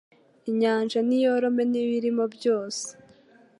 Inyanja niyorome n’ibiyirimo byose